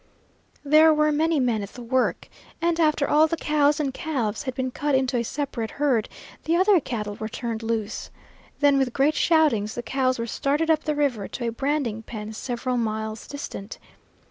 There were many men at the work, and after all the cows and calves had been cut into a separate herd, the other cattle were turned loose. Then with great shoutings the cows were started up the river to a branding pen several miles distant.